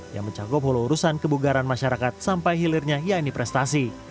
yang mencakup hulu urusan kebugaran masyarakat sampai hilirnya yaitu prestasi